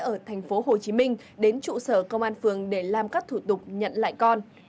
ở thành phố hồ chí minh đến trụ sở công an phường để làm các thủ tục nhận lại con